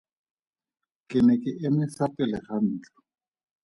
Ke ne ke eme fa pele ga ntlo.